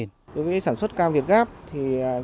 đối với sản xuất cam việt gáp thì